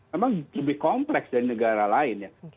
memang lebih kompleks dari negara lain ya